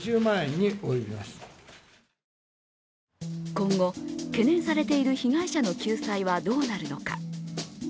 今後懸念されている被害者の救済はどうなるのか。